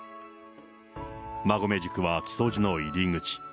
馬籠宿は木曽路の入り口。